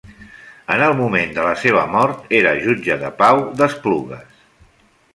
En el moment de la seva mort, era jutge de pau d'Esplugues.